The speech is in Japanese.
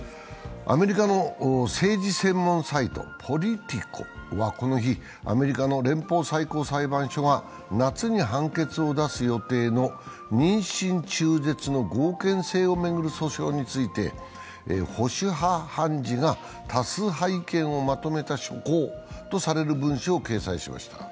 アメリカの政治専門サイト、ポリティコは、この日、アメリカの連邦最高裁判所が夏に判決を出す予定の妊娠中絶の合憲性を巡る訴訟について保守派判事が多数は意見をまとめた文書を出しました。